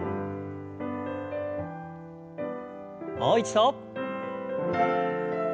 もう一度。